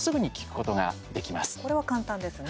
これは簡単ですね。